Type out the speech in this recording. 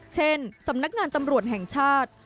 เช่นสำนักงานตำรวจแห่งชาติ